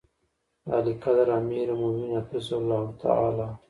د عاليقدر اميرالمؤمنين حفظه الله تعالی